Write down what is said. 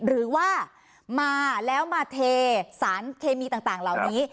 หรือว่ามาแล้วมาเทสารเคมีต่างเหล่านี้